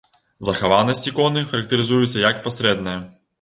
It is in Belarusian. Захаванасць іконы характарызуецца як пасрэдная.